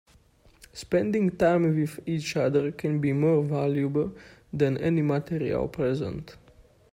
Spending time with each other can be more valuable than any material present.